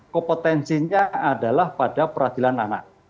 kompetensinya adalah pada peradilan anak